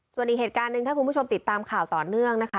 ส่วนอีกเหตุการณ์หนึ่งถ้าคุณผู้ชมติดตามข่าวต่อเนื่องนะคะ